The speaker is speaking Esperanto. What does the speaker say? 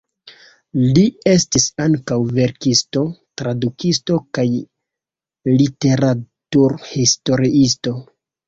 Li estis ankaŭ verkisto, tradukisto kaj literaturhistoriisto.